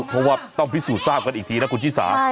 เพราะว่าต้องพิสูจนทราบกันอีกทีนะคุณชิสา